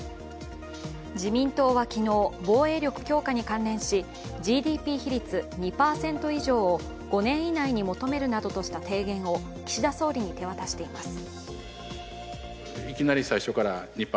自民党は昨日、防衛力強化に関連し、ＧＤＰ比率２％以上を５年以内に求めるなどとした提言を岸田総理に手渡しています。